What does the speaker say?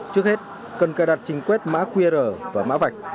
trước hết cần cài đặt trên quét mã qr và mã vạch